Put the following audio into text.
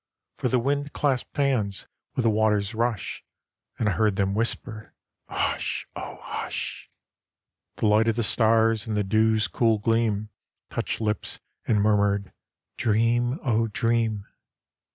For the Wind clasped hands with the Water's rush, And I heard them whisper, "Hush, oh, hush!" The Light of the Stars and the Dew's cool Gleam Touched lips and murmured, "Dream, oh, dream!"